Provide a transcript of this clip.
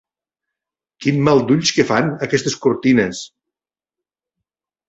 Quin mal d'ulls que fan, aquestes cortines!